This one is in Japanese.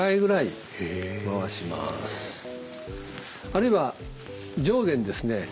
あるいは上下にですね